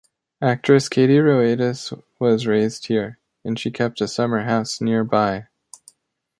Actress Kittie Rhoades was raised here, and she kept a summer house nearby.